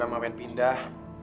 juga mau pindah